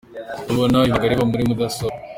Rubona ibanga riba muri mudasobwa.